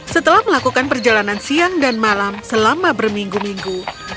setelah melakukan perjalanan siang dan malam selama berminggu minggu